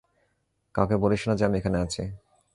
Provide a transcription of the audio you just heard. কাউকে বলিস না যে আমি এখানে আছি।